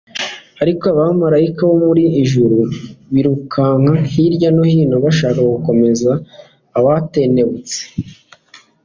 ariko abamaraika bo mu ijuru birukanka hirya no hino bashaka gukomeza abatentebutse,